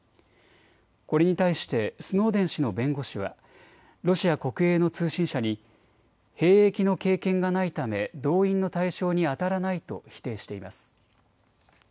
これに対してスノーデン氏の弁護士は、ロシア国営の通信社に兵役の経験がないため動員の対象にあたらないと否定しています。